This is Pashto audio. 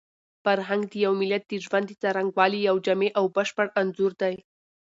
فرهنګ د یو ملت د ژوند د څرنګوالي یو جامع او بشپړ انځور دی.